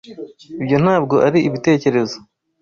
Ibyo ntabwo ari ibitekerezo.